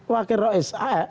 wakil rok islam